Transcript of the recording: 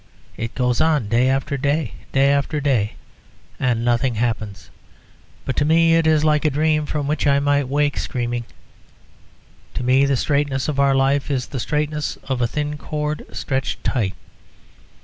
It goes on day after day, day after day, and nothing happens; but to me it is like a dream from which I might wake screaming. To me the straightness of our life is the straightness of a thin cord stretched tight.